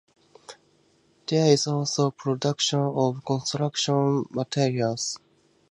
There is also production of construction materials.